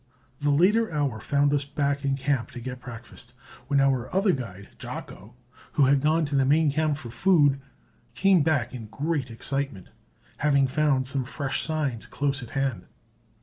The latter hour found us back in camp to get breakfast, when our other guide, Jocko, who had gone to the main camp for food, came back in great excitement, having found some fresh signs close at hand.